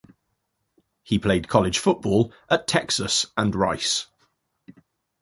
He played college football at Texas and Rice.